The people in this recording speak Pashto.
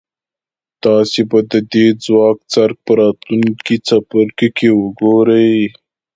تاسې به د دې ځواک څرک په راتلونکي څپرکي کې وګورئ.